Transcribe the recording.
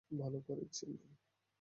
ভাল করেই চিনি।